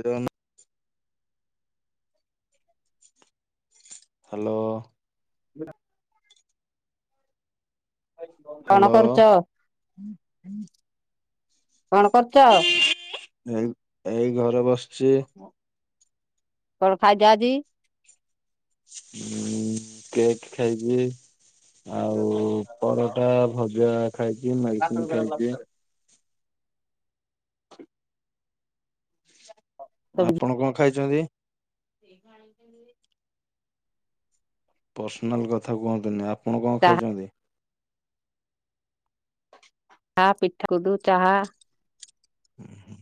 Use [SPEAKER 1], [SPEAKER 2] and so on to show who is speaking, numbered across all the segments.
[SPEAKER 1] ଏ ରହୁନ ହ୍ୟାଲୋ।
[SPEAKER 2] ଶୁଭିଲା? କଣ
[SPEAKER 1] ହାଲୋ
[SPEAKER 2] କରୁଛ କଣ କରୁଛ?
[SPEAKER 1] ଏଇ ଏଇ ଘରେ ବସିଛି।
[SPEAKER 2] କଣ ଖାଇଚ ଆଜି।
[SPEAKER 1] ହଁ କେକ୍ ଖାଇବି। ଆଉ ପରଟା, ଭଜା ଖାଇକି ମେଡିସିନ ଖାଇକି ଆପଣ କଣ ଖାଇଛନ୍ତି? ପର୍ସନାଲ୍ କଥା କୁହନ୍ତୁନି ଆପଣ କଣ
[SPEAKER 2] ଚାହା
[SPEAKER 1] ଖାଇଛନ୍ତି?
[SPEAKER 2] ହଁ ପିଠା କୁଦୁ ଚାହା
[SPEAKER 1] ହୁଁ।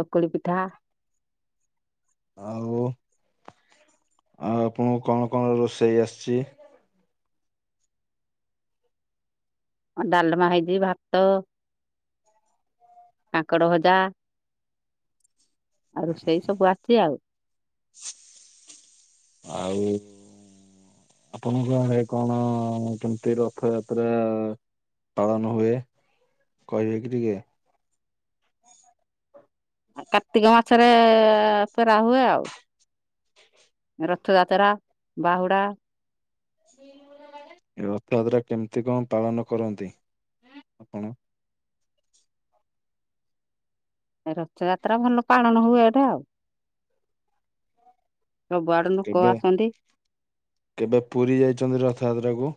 [SPEAKER 2] ଚକୁଳି ପିଠା।
[SPEAKER 1] ଆଉ‌। ଆଉ ଆପଣଙ୍କୁ କଣ କଣ ରୋଷେଇ ଆସିଛି?
[SPEAKER 2] ଡାଲମା ହେଇଛି, ଭାତ କାଙ୍କଡ ଭଜା ଆ ରୁସେଇ ସବୁ ଆଛି ଆଉ।
[SPEAKER 1] ଆଉ। ଆପଣଙ୍କ ହେ କଣ କେମତି ରଥଯାତ୍ରା ପାଳନ ହୁଏ କହିବେକି ଟିକେ।
[SPEAKER 2] କାର୍ତ୍ତିକ ମାସରେ ପେରା ହୁଏ ଆଉ। ରଥଯାତ୍ରା, ବାହୁଡା
[SPEAKER 1] [unintelligible] ଏ ରଥଯାତ୍ରା କେମିତି କଣ ପାଳନ କରନ୍ତି ଆପଣ? କଣ
[SPEAKER 2] ଏ ରଥଯାତ୍ରା ଭଲ ପାଳନ ହୁଏ ଏଟା ଆଉ। ସବୁଆଡୁ ଲୋକ
[SPEAKER 1] କେବେ
[SPEAKER 2] ଆସନ୍ତି।
[SPEAKER 1] କେବେ ପୁରୀ ଯାଇଛନ୍ତି ରଥଯାତ୍ରାକୁ?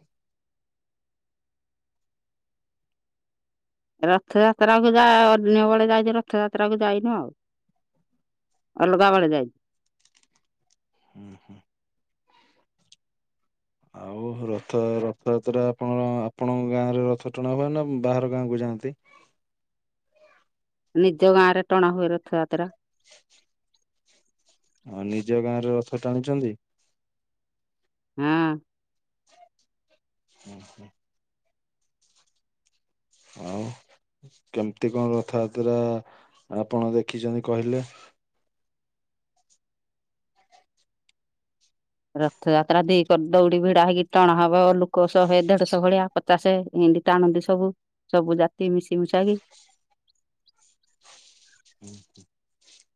[SPEAKER 2] ରଥଯାତ୍ରା କ ଯା ଅନ୍ୟ ବେଳେ ଯାଇଛି ରଥଯାତ୍ରା କୁ ଯାଇନୁ ଆଉ। ଅଲଗାବେଳେ ଯାଇଛି।
[SPEAKER 1] ହୁଁ, ହୁଁ। ଆଉ ରଥ ରଥଯାତ୍ରା ଆପଣ ଆପଣଙ୍କ ଗାଁ ରେ ରଥ ଟଣା ହୁଏ ନା ବାହାର ଗାଁକୁ ଯାଆନ୍ତି?
[SPEAKER 2] ନିଜ ଗାଁ ରେ ଟଣା ହୁଏ ରଥଯାତ୍ରା।
[SPEAKER 1] [inaudible] ହଁ ନିଜ ଗାଁ ରେ ରଥ ଟାଣୁଛନ୍ତି?
[SPEAKER 2] ହଁ।
[SPEAKER 1] ହୁଁ, ହୁଁ। ଆଉ। କେମିତି କଣ ରଥଯାତ୍ରା ଆପଣ ଦେଖିଛନ୍ତି କହିଲେ?
[SPEAKER 2] ରଥଯାତ୍ରା ଦେଇି କରି ଦୌଡି ଭିଡା ହେଇକି ଟଣା ହବ ଲୋକ ଶହେ, ଦେଢଶହ ଭଳିଆ। ପଚାଶେ ଏନ୍ତୀ ଟାଣନ୍ତି ସବୁ ସବୁ ଜାତି ମିଶିମୁଶାକି।
[SPEAKER 1] ଓ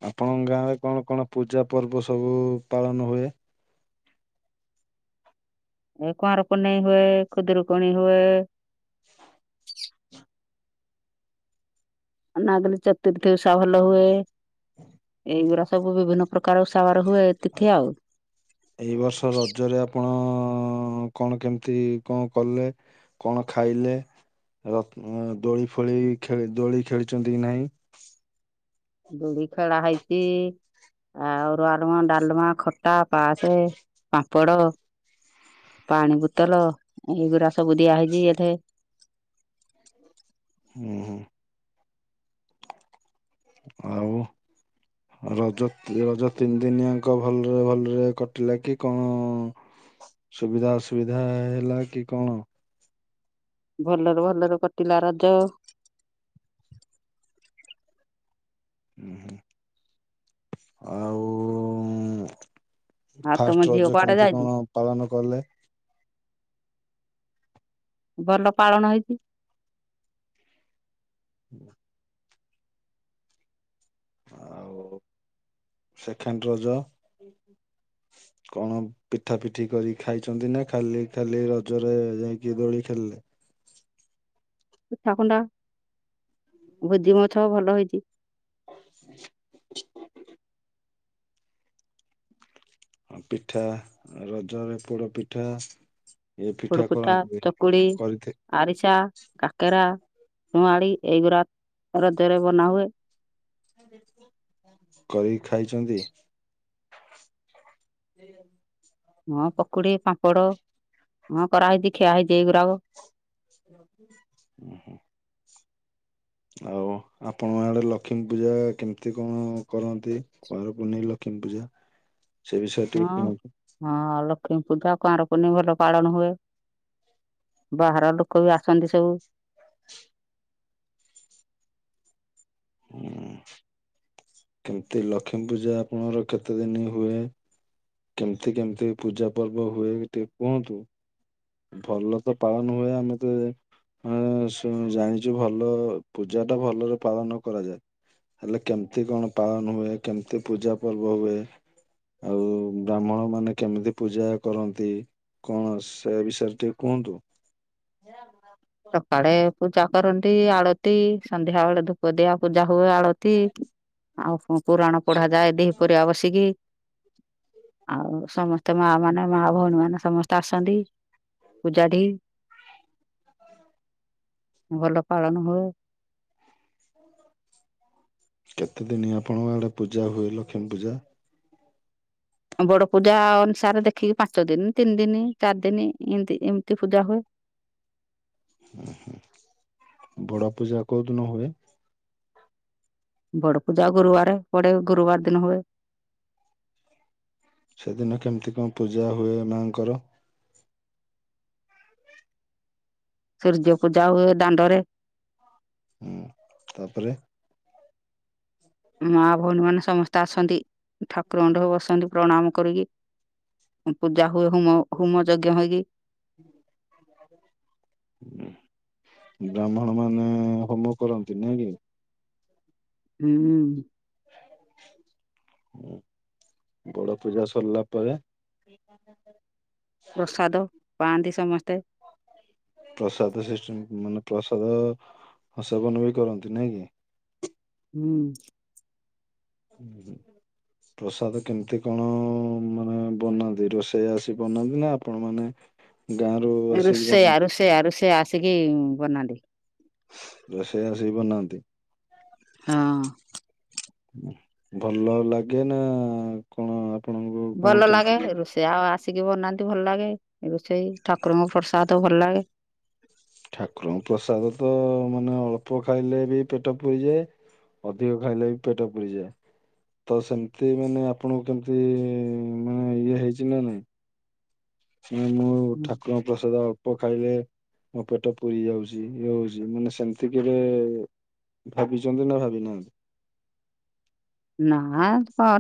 [SPEAKER 1] ଆପଣଙ୍କ ଗାଁ ରେ କଣ କଣ ପୂଜା ପର୍ବ ସବୁ ପାଳନ ହୁଏ?
[SPEAKER 2] ଏ କୁଆଁର ପୁନେଇ ହୁଏ ଖୁଦୁରୁକୁଣି ହୁଏ। ନାଗରଚତୁର୍ଥୀ ଉଷା ଭଲ ହୁଏ। ଏଇଗୁରା ସବୁ ବିଭିନ୍ନ ପ୍ରକାର ଉସାବାର ହୁଏ ଏତିଥି ଆଉ।
[SPEAKER 1] ଏଇ ବର୍ଷ ରଜରେ ଆପଣ କଣ କେମିତି କଣ କଲେ? କଣ ଖାଇଲେ ରନ ଦୋଳି ଫୋଳି ଖେଳି ଦୋଳି ଖେଳିଚନ୍ତି କି ନାହିଁ
[SPEAKER 2] ଦୁଲି ଖେଳା ହେଇଚି ଆଉ ଅରୁଆ ଆରମା, ଡାଲମା, ଖଟା, ପାସେ, ପାମ୍ପଡ଼ ପାଣି ବୁତଲ ଏଇଗୁରା ସବୁ ଦିଆ ହେଇଛି ଏଠେ।
[SPEAKER 1] ହୁଁ ହୁଁ। ଆଉ ରଜ ରଜ ତିନି ଦିନିଆଙ୍କ ଭଲରେ ଭଲରେ କଟିଲା କି କଣ? ସୁବିଧା ଅସୁବିଧା ହେଲା କି କଣ?
[SPEAKER 2] ଭଲରେ ଭଲରେ କଟିଲା ରଜ।
[SPEAKER 1] ଉଁହୁଁ ଆଉ
[SPEAKER 2] ଆଉ ତମ
[SPEAKER 1] ଫାଷ୍ଟ
[SPEAKER 2] ଝିଅ
[SPEAKER 1] ରଜ
[SPEAKER 2] କୁଆଡେ
[SPEAKER 1] କେମିତି
[SPEAKER 2] ଯାଇଛି
[SPEAKER 1] କଣ ପାଳନ କଲେ?
[SPEAKER 2] ଭଲ ପାଳନ ହେଇଚି।
[SPEAKER 1] ହୁଁ। ଆଉ ସେଖେଣ୍ଡ ରଜ? କଣ ପିଠା ପିଠି କରି ଖାଇଛନ୍ତି ନା ଖାଲି ଖାଲି ରଜରେ ଯାଇକି ଦୋଳି ଖେଳିଲେ?
[SPEAKER 2] ପଠା ଖଣ୍ଡା ଭୋଜିମଛ ଭଲ ହେଇଚି।
[SPEAKER 1] ପିଠା ରଜରେ ପୋଡ଼ ପିଠା ଏଇ ପିଠା
[SPEAKER 2] ପୋଡପିଠା
[SPEAKER 1] କରନ୍ତି
[SPEAKER 2] ଚକୁଳି
[SPEAKER 1] କରିଥେ
[SPEAKER 2] ଆରିସା କାକେରା ନୁଆଡି ଏଇଗୁଡ଼ା ରଜରେ ବନାହୁଏ।
[SPEAKER 1] କରିକି ଖାଇଚନ୍ତି?
[SPEAKER 2] ହଁ ପକୁଡି, ପାମ୍ପଡ଼ ହଁ କରାହେଇଚି ଖିଆ ହେଇଚି ଏଇଗୁରାକ
[SPEAKER 1] ଉଁହୁଁ। ଆଉ ଆପଣ ଆଡେ ଲକ୍ଷ୍ମୀ ପୂଜା କେମତି କଣ କରନ୍ତି? କୁଆଁର ପୁନେଇ ଲକ୍ଷ୍ମୀ ପୂଜା ସେ ବିଷୟରେ
[SPEAKER 2] ହଁ
[SPEAKER 1] ଟିକେ କୁହନ୍ତୁ?
[SPEAKER 2] ହଁ ଲକ୍ଷ୍ମୀ ପୂଜା କୁଆଁର ପୁନେଇ ଭଲ ପାଳନ ହୁଏ। ବାହାର ଲୁ କୋ ବି ଆସନ୍ତି ସବୁ।
[SPEAKER 1] କେମତି ଲକ୍ଷ୍ମୀ ପୂଜା ଆପଣଙ୍କର କେତେ ଦିନ ହୁଏ? କେମତି କେମତି ପୂଜା ପର୍ବ ହୁଏ ଟିକେ କୁହନ୍ତୁ? ଭଲ ତ ପାଳନ ହୁଏ ଆମେ ତ ହଁ ଶୁଣୁ ଜାଣିଚୁ ଭଲ ପୂଜାଟା ଭଲରେ ପାଳନ କରାଯାଏ। ହେଲେ କେମତି କଣ ପାଳନ ହୁଏ କେମତି ପୂଜା ପର୍ବ ହୁଏ? ଆଉ ବ୍ରାହ୍ମଣ ମାନେ କେମିତି ପୂଜା କରନ୍ତି କଣ ସେ ବିଷୟରେ ଟିକେ କୁହନ୍ତୁ?
[SPEAKER 2] ସକାଳେ ପୂଜା କରନ୍ତି ଆଳତି ସନ୍ଧ୍ୟା ବେଳେ ଧୂପ ଦିଆ ପୂଜା ହୁଏ ଆଳତି ଆଉ ପୁରାଣ ପଢା ଯାଏ ଦିହିପରିଆ ବସିକି ଆଉ ସମସ୍ତେ ମା ମାନେ ମା ଭଉଣୀ ମାନେ ସମସ୍ତେ ଆସନ୍ତି ପୂଜାଠି ଭଲ ପାଳନ ହୁଏ।
[SPEAKER 1] କେତେ ଦିନି ଆପଣଙ୍କ ଆଡ଼େ ପୂଜା ହୁଏ ଲକ୍ଷ୍ମୀ ପୂଜା?
[SPEAKER 2] ବଡ଼ ପୂଜା ଅନୁସାରେ ଦେଖିକି ପାଞ୍ଚ ଦିନି ତିନି ଦିନି ଚାରି ଦିନି ଏମତି ଏମିତି ପୂଜା ହୁଏ।
[SPEAKER 1] ବଡ଼ ପୂଜା କୋଉ ଦିନ ହୁଏ?
[SPEAKER 2] ବଡ ପୂଜା ଗୁରୁବାରରେ ପଡେ ଗୁରୁବାର ଦିନ ହୁଏ।
[SPEAKER 1] ସେଦିନ କେମିତି କଣ ପୂଜା ହୁଏ ମାଆଙ୍କର?
[SPEAKER 2] ସୂର୍ଯ୍ୟ ପୂଜା ହୁଏ ଦାଣ୍ଡରେ।
[SPEAKER 1] ଉଁ ତାପରେ
[SPEAKER 2] ମା ଭଉଣୀ ମାନେ ସମସ୍ତେ ଆସନ୍ତି ଠାକୁର [unintelligible] ବସନ୍ତି ପ୍ରଣାମ କରିକି। ପୂଜା ହୁଏ ହୁମ ହୁମ ଯଜ୍ଞ ହେଇକି [inaudible]
[SPEAKER 1] ବ୍ରାହ୍ମଣ ମାନେ ହୋମ କରନ୍ତି, ନାଇଁ କି?
[SPEAKER 2] ହୁଁ।
[SPEAKER 1] ବଡ ପୂଜା ସରିଲା ପରେ
[SPEAKER 2] ପ୍ରସାଦ ପାଆନ୍ତି ସମସ୍ତେ।
[SPEAKER 1] ପ୍ରସାଦ ସିଷ୍ଟ ମାନେ ପ୍ରସାଦ ହଁ ସେବନ ବି କରନ୍ତି ନାଇଁ କି?
[SPEAKER 2] ହୁଁ।
[SPEAKER 1] ହୁଁ ପ୍ରସାଦ କେମିତି କଣ ମାନେ ବନାନ୍ତି? ରୋଷେଇ ଆସି ବନାନ୍ତି ନା ଆପଣ ମାନେ ଗାଁ ରୁ ଆସିକି
[SPEAKER 2] ରୋଷେଇଆ
[SPEAKER 1] ବନାନ୍ତି
[SPEAKER 2] ରୋଷେଇଆ ରୋଷେଇଆ ଆସିକି ବନାନ୍ତି।
[SPEAKER 1] ରୋଷେଇଆ ଆସିକି ବନାନ୍ତି।
[SPEAKER 2] ହଁ।
[SPEAKER 1] ଭଲ ଲାଗେ ନା କଣ ଆପଣଙ୍କୁ କଣ କେମିତି ଲା?
[SPEAKER 2] ସେ ଆଉ ଆସିକି ବନାନ୍ତି ଭଲ ଲାଗେ। ରୋଷେଇ ଠାକୁରଙ୍କ ପ୍ରସାଦ ଭଲ ଲାଗେ।
[SPEAKER 1] ଠାକୁରଙ୍କ ପ୍ରସାଦ ତ ମାନେ ଅଳ୍ପ ଖାଇଲେ ବି ପେଟ ପୁରିଯାଏ। ଅଧିକ ଖାଇଲେ ବି ପେଟ ପୁରିଯାଏ। ତ ସେମତି ମାନେ ଆପଣଙ୍କୁ କେମିତି ମାନେ ଇଏ ହେଇଚି ନା ନାଇଁ? ମାନେ ମୁଁ
[SPEAKER 2] ହୁଁ
[SPEAKER 1] ଠାକୁରଙ୍କ ପ୍ରସାଦ ଅଳ୍ପ ଖାଇଲେ ମୋ ପେଟ ପୁରି ଯାଉଚି ଇଏ ହଉଚି ମାନେ ସେମତି କେଭେ ଭାବିଚନ୍ତି ନା ଭାବିନାହାନ୍ତି?
[SPEAKER 2] ନା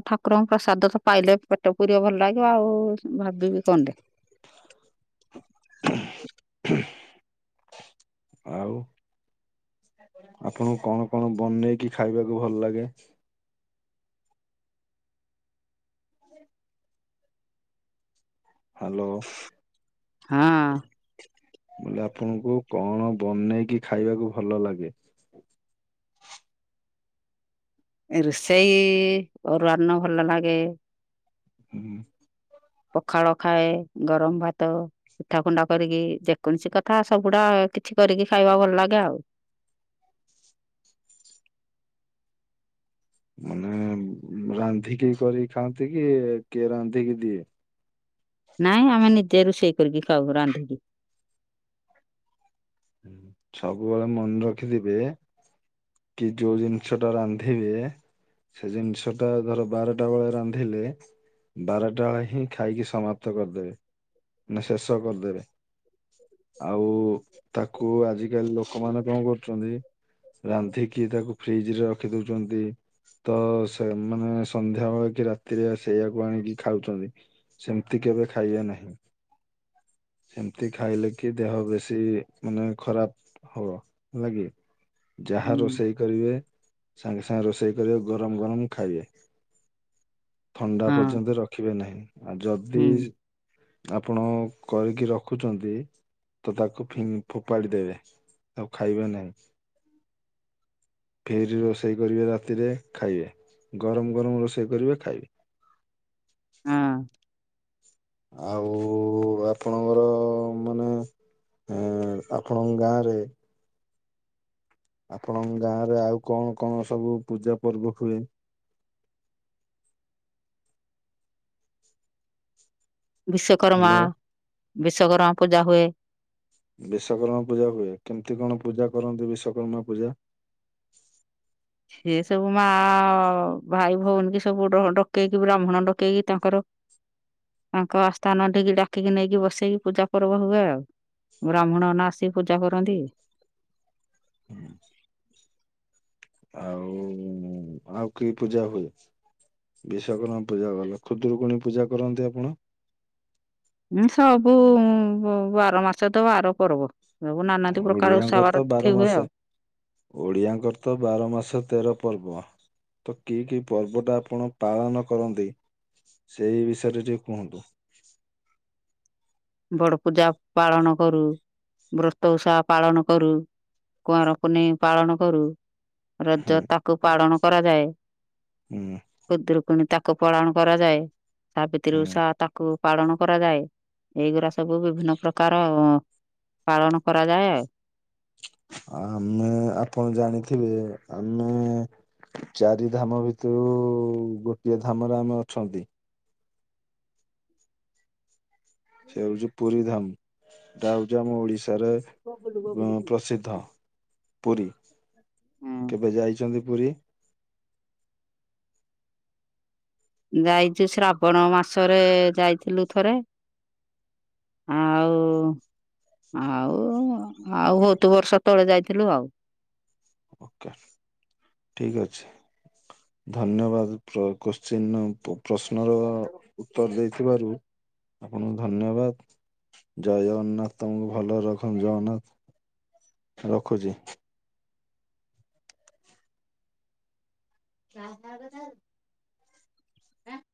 [SPEAKER 2] ଠାକୁରଙ୍କୁ ପ୍ରସାଦ ତ ପାଇଲେ ପେଟ ପୁରିବ ଭଲ ଲାଗିବ ଆଉ ଭାବିବି କଣ ଟେ। [inaudible]
[SPEAKER 1] ଆଉ ଆପଣଙ୍କୁ କଣ କଣ ବନେଇକି ଖାଇବାକୁ ଭଲ ଲାଗେ? ହାଲୋ।
[SPEAKER 2] ହଁ।
[SPEAKER 1] ମୁଁ କହିଲି ଆପଣଙ୍କୁ କଣ ବନେଇକି ଖାଇବାକୁ ଭଲ ଲାଗେ?
[SPEAKER 2] ରୋଷେଇ ଅରୁଆ ଅନ୍ନ ଭଲ ଲାଗେ।
[SPEAKER 1] ହୁଁ ହୁଁ।
[SPEAKER 2] ପଖାଳ ଖାଏ, ଗରମ ଭାତ। ପିଠା କୁଣ୍ଡା କରିକି, ଯେକୌଣସି କଥା ସବୁଡା କିଛି କରିକି ଖାଇବାକୁ ଭଲ ଲାଗେ ଆଉ।
[SPEAKER 1] ମାନେ ରାନ୍ଧିକି କରିକି ଖାଆନ୍ତି କି କିଏ ରାନ୍ଧିକି ଦିଏ?
[SPEAKER 2] ନାଇଁ ଆମେ ନିଜେ ରୋଷେଇ କରିକି ଖାଉ ରାନ୍ଧିକି।
[SPEAKER 1] ସବୁବେଳେ ମନେ ରଖିଥିବେ କି ଯୋଉ ଜିନିଷ ଟା ରାନ୍ଧିବେ ସେଇ ଜିନିଷ ଟା ଧର ବାରଟା ବେଳେ ରାନ୍ଧିଲେ ବାରଟା ବେଳେ ହିଁ ଖାଇକି ସମାପ୍ତ କରିଦେବେ। ମାନେ ଶେଷ କରିଦେବେ। ଆଉ ତାକୁ ଆଜିିକାଲି ଲୋକମାନେ କଣ କରୁଚନ୍ତି ରାନ୍ଧିକି ତାକୁ ଫ୍ରିଜ ରେ ରଖି ଦଉଚନ୍ତି। ତ ସେମାନେ ସନ୍ଧ୍ୟା ବେଳେ କି ରାତିରେ ସେଇଆକୁ ଆଣିକି ଖାଉଚନ୍ତି। ସେମିତି କେବେ ଖାଇବା ନାହିଁ। ସେମିତି ଖାଇଲେ କି ଦେହ ବେଶୀ ମାନେ ଖରାପ ହବ ହେଲା କି?
[SPEAKER 2] ହୁଁ
[SPEAKER 1] ଯାହା ରୋଷେଇ କରିବେ ସାଙ୍ଗେ ସାଙ୍ଗେ ରୋଷେଇ କରିବେ ଗରମ ଗରମ ଖାଇବେ ଥଣ୍ଡା
[SPEAKER 2] ହଁ
[SPEAKER 1] ପର୍ଯ୍ୟନ୍ତ ରଖିବେ ନାହିଁ ଆଉ ଯଦି
[SPEAKER 2] ହୁଁ
[SPEAKER 1] ଆପଣ କରିକି ରଖୁଛନ୍ତି ତ ତାକୁ ଫି ଫୋପାଡି ଦେବେ ଆଉ ଖାଇବେ ନାହିଁ
[SPEAKER 2] [inaudible]
[SPEAKER 1] ଫେରି ରୋଷେଇ କରିବେ ରାତିରେ ଖାଇବେ ଗରମ ଗରମ ରୋଷେଇ କରିବେ ଖାଇବେ
[SPEAKER 2] ହଁ
[SPEAKER 1] ଆଉ ଆପଣଙ୍କର ମାନେ ହଁ ଆପଣଙ୍କ ଗାଁରେ ଆପଣଙ୍କ ଗାଁ ରେ ଆଉ କଣ କଣ ସବୁ ପୂଜା ପର୍ବ ହୁଏ
[SPEAKER 2] ବିଶ୍ଵକର୍ମା
[SPEAKER 1] ହ୍ୟାଲୋ
[SPEAKER 2] ବିଶ୍ଵକର୍ମା ପୂଜା ହୁଏ।
[SPEAKER 1] ବିଶ୍ଵକର୍ମା ପୂଜା ହୁଏ କେମିତି କଣ ପୂଜା କରନ୍ତି ବିଶ୍ଵକର୍ମା ପୂଜା
[SPEAKER 2] ଏ ସବୁ ମା ଭାଇ ଭଉଣୀ କି ସବୁ ଡକେଇକି ବ୍ରାହ୍ମଣ ଡକେଇକି ତାଙ୍କର ତାଙ୍କ ଆ ସ୍ଥାନ ଟିକି ଡାକିକି ନେଇକି ବସେଇକି ପୂଜା ପର୍ବ ହୁଏ ଆଉ ବ୍ରାହ୍ମଣ ନନା ଆସି ପୂଜା କରନ୍ତି
[SPEAKER 1] ହୁଁ ଆଉ ଆଉ କି ପୂଜା ହୁଏ ବିଶ୍ୱଵକର୍ମା ପୂଜା ଗଲା ଖୁଦୁରୁକୁଣୀ ପୂଜା କରନ୍ତି ଆପଣ
[SPEAKER 2] ହଁ ସବୁ ବାର ମାସ ତ ବାର ପର୍ବ ସବୁ ନାନାଦି ପ୍ରକାର ଉଷାାବାର ତିଥି ହୁଏ ଆଉ
[SPEAKER 1] ଓଡ଼ିଆଙ୍କର ତ ବାର ମାସ ତେର ପର୍ବ ତ କି କି ପର୍ବ ଟା ଆପଣ ପାଳନ କରନ୍ତି ସେଇ ବିଷୟରେ ଟିକେ କୁହନ୍ତୁ
[SPEAKER 2] ବଡ ପୂଜା ପାଳନ କରୁ ବ୍ରତ ଉସାପାଳନ କରୁ କୁଆଁରପୁନେଇଁ ପାଳନ କରୁ
[SPEAKER 1] ହୁଁ
[SPEAKER 2] ରଜ ତାକୁ ପାଳନ କରାଯାଏ
[SPEAKER 1] ହୁଁ
[SPEAKER 2] କୁଦରୁକୁଣୀ ତାକୁ ପାଳନ କରାଯାଏ ସାବିତ୍ରୀ
[SPEAKER 1] ହୁଁ
[SPEAKER 2] ଓଷା ତାକୁ ପାଳନ କରାଯାଏ ଏଇଗୁରା ସବୁ ବିଭିନ୍ନ ପ୍ରକାର ପାଳନ କରାଯାଏ ଆଉ
[SPEAKER 1] ଆମେ ଆପଣ ଜାଣିଥିବେ ଆମେ ଚାରି ଧାମ ଭିତରୁ ଗୋଟିଏ ଧାମରେ ଆମେ ଅଛନ୍ତି ସେ ହଉଛି ପୁରୀ ଧାମ ସେଟା ହଉଛି ଆମ ଓଡିଶାରେ ପ୍ରସିଦ୍ଧ ପୁରୀ
[SPEAKER 2] ଆଉ।
[SPEAKER 1] କେବେ ଯାଇଛନ୍ତି ପୁରୀ?
[SPEAKER 2] ଯାଇଛି ଶ୍ରାବଣ ମାସରେ ଯାଇଥିଲୁ ଥରେ ଆଉ ଆଉ ଆଉ ହହୁତ ବର୍ଷ ତଳେ ଯାଇଥିଲୁ ଆଉ
[SPEAKER 1] ଓକେ ଠିକ ଅଛି ଧନ୍ୟବାଦ କୋଶ୍ଚିନ୍ ଅ ପ ପ୍ରଶ୍ନର ଉତ୍ତର ଦେଇଥିବାରୁ ଆପଣଙ୍କୁ ଧନ୍ୟବାଦ ଜୟ ଜଗନ୍ନାଥ ତମକୁ ଭଲରେ ରଖନ୍ତୁ ଜଗନ୍ନାଥ ରଖୁଛି [inaudible] ଆଁ